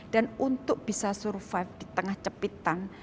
dan untuk bisa survive di tengah cepitan